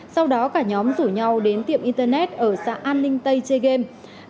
sau đó cả nhóm rủ nhau đến tiệm internet ở xã an linh tây chơi game